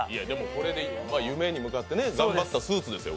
これで夢に向かって頑張ったスーツですよ。